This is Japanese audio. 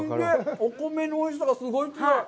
お米のおいしさがすごい強い！